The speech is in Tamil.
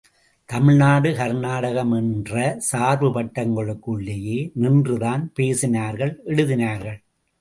தமிழ்நாடு கர்நாடகம் என்ற சார்பு வட்டங்களுக்குள்ளேயே நின்றுதான் பேசினார்கள் எழுதினார்கள்.